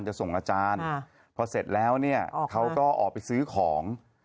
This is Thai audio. จะส่งอาจารย์พอเสร็จแล้วเนี่ยเขาก็ออกไปซื้อของ